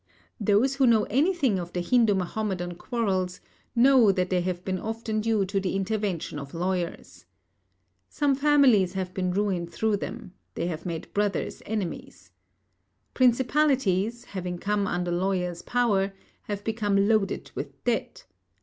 Those who know anything of the Hindu Mahomedan quarrels know that they have been often due to the intervention of lawyers. Some families have been ruined through them; they have made brothers enemies. Principalities, having come under lawyer's power, have become loaded with debt.